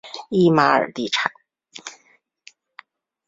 伊玛尔地产。